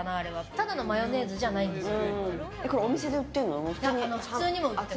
ただのマヨネーズじゃないんですよ。